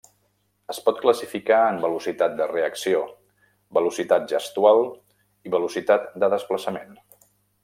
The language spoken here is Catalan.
Es pot classificar en velocitat de reacció, velocitat gestual i velocitat de desplaçament.